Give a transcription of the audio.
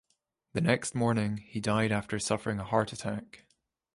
The next morning, he died after suffering a heart attack.